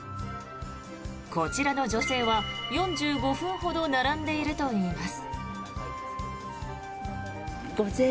こちらの女性は４５分ほど並んでいるといいます。